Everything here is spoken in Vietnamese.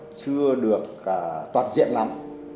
chưa được toàn diện lắm